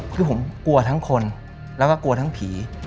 คือผมกลัวทั้งคนแล้วก็กลัวทั้งผี